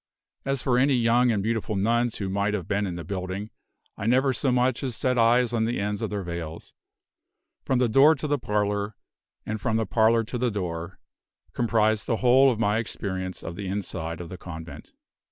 As for any young and beautiful nuns who might have been in the building, I never so much as set eyes on the ends of their veils. From the door to the parlor, and from the parlor to the door, comprised the whole of my experience of the inside of the convent.